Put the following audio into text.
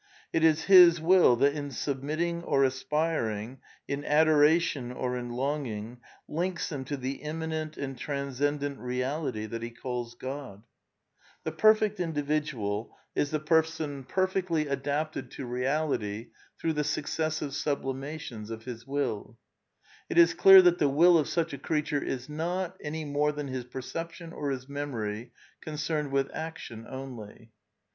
It is his will that in submitting or aspiring, in adora tion or in longing, links him to the immanent and tran scendent Keality that he calls God. The perfec t individual is the person perfectly adapted 70 A DEFENCE OF IDEALISM fliP| pvfififtgaiye flublimation s^of his wilL is clear that the will of such a creature is noETaSy more than his perception or his memory, concerned with action only.